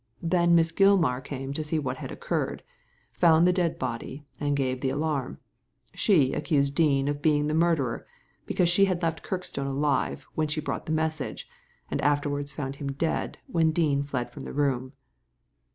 Then Miss Gilmar came to see what had occurred — found the dead body, and gave the alarm. She accused Dean of being the murderer, because she had left Kirkstone alive when she brought the message, and afterwards found him dead when Dean fled from the room."